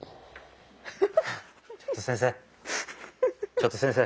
ちょっと先生。